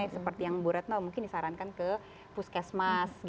seperti yang bu retno mungkin disarankan ke puskesmas